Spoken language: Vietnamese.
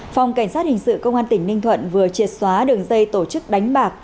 phòng cảnh sát hình sự công an tỉnh ninh thuận vừa triệt xóa đường dây tổ chức đánh bạc